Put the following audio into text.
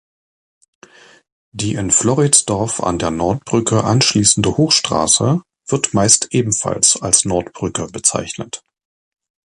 Die in Floridsdorf an die Nordbrücke anschließende Hochstraße wird meist ebenfalls als Nordbrücke bezeichnet.